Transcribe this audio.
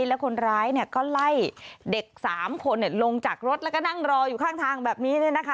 แล้วคนร้ายก็ไล่เด็ก๓คนลงจากรถแล้วก็นั่งรออยู่ข้างทางแบบนี้